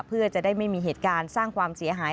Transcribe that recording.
เพื่อจะได้ไม่มีเหตุการณ์สร้างความเสียหาย